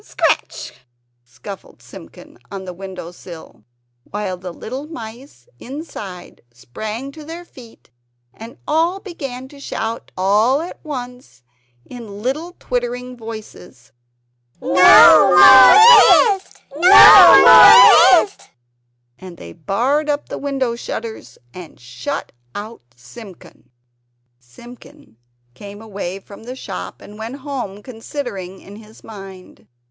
scratch!" scuffled Simpkin on the window sill; while the little mice inside sprang to their feet, and all began to shout all at once in little twittering voices: "No more twist! No more twist!" And they barred up the window shutters and shut out Simpkin. Simpkin came away from the shop and went home considering in his mind.